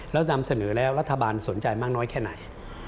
แล้วนำเสนอแล้วรัฐบาลสนใจมากน้อยแค่ไหน